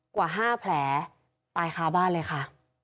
กว่า๕แผลตายค้าบ้านเลยค่ะ